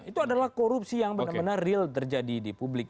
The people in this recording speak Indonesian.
itu adalah korupsi yang benar benar real terjadi di publik